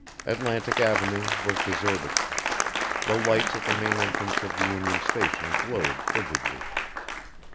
Atlantic Avenue was deserted. The lights at the main entrance of the Union Station glowed frigidly.